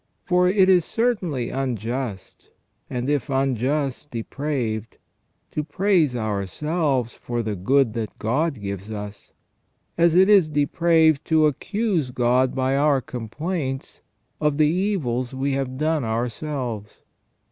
For it is certainly unjust, and if unjust, depraved, to praise ourselves for the good that God gives us ; as it is depraved to accuse God by our complaints of the evils we have done ourselves.